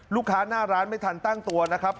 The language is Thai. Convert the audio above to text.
หน้าร้านไม่ทันตั้งตัวนะครับ